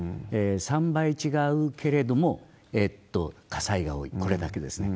３倍違うけれども、火災が多い、これだけですね。